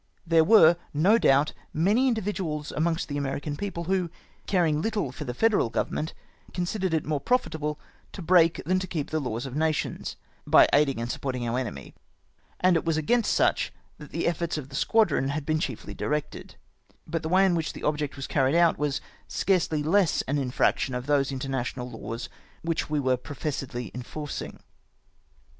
There were, no doubt, many mdividuals amongst the American people who, carmg httle for the Federal government, considered it more profitable to break than to keep the laws of nations, by aiding and supporting our enemy, and it was against such that the efforts of the squadron had been chiefly directed ; but the way in which the object was carried out was scarcely less an infraction of those inter national laws which we were professedly enforcing.